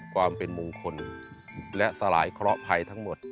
ความเป็นมงคลและสลายเคราะหภัยทั้งหมด